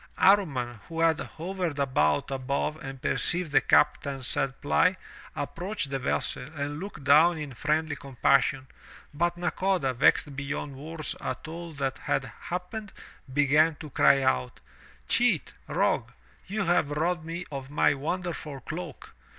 Amman, who had hovered about above and perceived the captain's sad plight, approached the vessel and looked down in friendly compassion, but Nakoda, vexed beyond words at all that had happened, began to cry out: "Cheat! rogue! you have robbed me of my wonderful cloak!